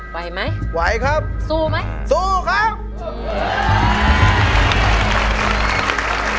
ไวหรือไม่สู้ไหมครับสู้ครับ